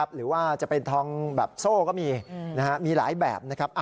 หรือว่าจะเป็นทองแบบโซ่ก็มีมีหลายแบบนะครับ